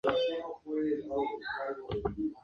La Ley seca era un debate político importante en su tiempo.